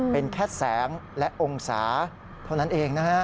เป็นแค่แสงและองศาเท่านั้นเองนะฮะ